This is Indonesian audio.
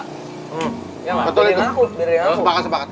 biar dia ngaku